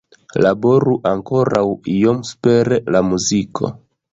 Laboru ankoraŭ iom super la muziko.